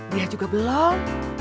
dia juga belum